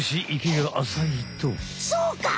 そうか！